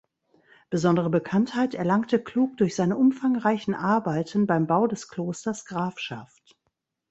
Besondere Bekanntheit erlangte Klug durch seine umfangreichen Arbeiten beim Bau des Klosters Grafschaft.